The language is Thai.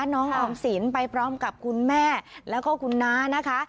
น้องออมสินไปพร้อมกับคุณแม่แล้วก็คุณน้านะคะ